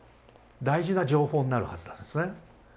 大事な情報になるはずなんですね。